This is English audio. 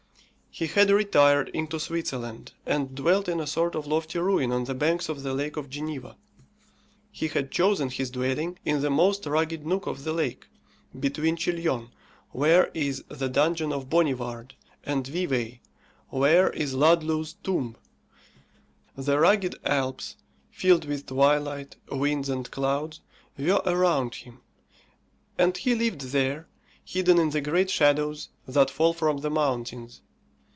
He had retired into Switzerland, and dwelt in a sort of lofty ruin on the banks of the Lake of Geneva. He had chosen his dwelling in the most rugged nook of the lake, between Chillon, where is the dungeon of Bonnivard, and Vevay, where is Ludlow's tomb. The rugged Alps, filled with twilight, winds, and clouds, were around him; and he lived there, hidden in the great shadows that fall from the mountains.